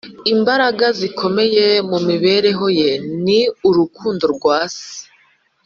imbaraga zikomeye mu mibereho ye, ni urukundo rwa se." —